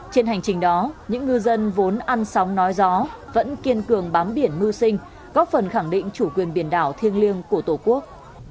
trên hành trình đó những ngư dân vốn ăn sóng nói gió vẫn kiên cường bám biển mưu sinh góp phần khẳng định chủ quyền biển đảo thiêng liêng của tổ quốc